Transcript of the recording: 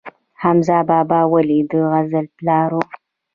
حمزه بابا ولې د غزل پلار و؟